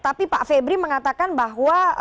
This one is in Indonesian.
tapi pak febri mengatakan bahwa